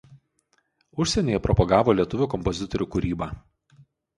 Užsienyje propagavo lietuvių kompozitorių kūrybą.